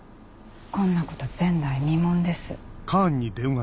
こんなこと前代未聞です。